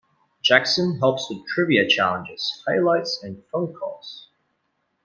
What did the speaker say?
Jackson helps with trivia challenges, highlights and phone calls.